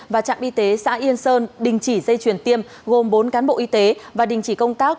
và trạm y tế xã yên sơn đình chỉ dây chuyển tiêm gồm bốn cán bộ y tế và đình chỉ công tác